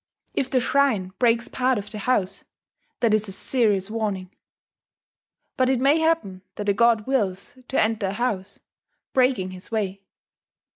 If the shrine breaks part of the house, that is a serious warning. But it may happen that the god wills to enter a house, breaking his way.